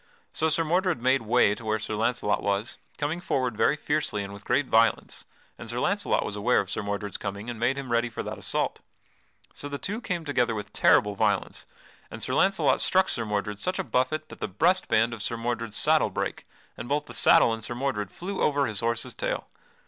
So Sir Mordred made way to where Sir Launcelot was, coming forward very fiercely and with great violence, and Sir Launcelot was aware of Sir Mordred's coming and made him ready for that assault. So the two came together with terrible violence and Sir Launcelot struck Sir Mordred such a buffet that the breast band of Sir Mordred's saddle brake, and both the saddle and Sir Mordred flew over his horse's tail.